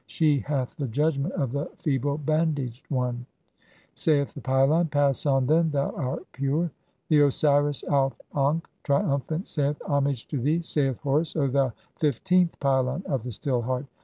"She hath the judgment of the feeble bandaged one." [Saith the pylon :—] "Pass on, then, thou art pure." XV. (53) The Osiris Auf ankh, triumphant, saith :— "Homage to thee, saith Horus, O thou fifteenth pylon of "the Still Heart.